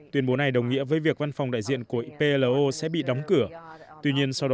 tuyên bố này đồng nghĩa với việc văn phòng đại diện của plo sẽ bị đóng cửa